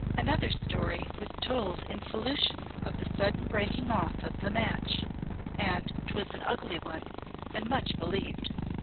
Another story was told in solution of the sudden breaking off the match, and 'twas an ugly one and much believed.